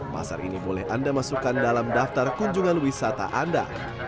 pasar ini boleh anda masukkan dalam daftar kunjungan wisata anda